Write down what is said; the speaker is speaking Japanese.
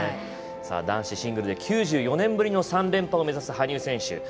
男子シングルで９４年ぶりの３連覇を目指す羽生選手。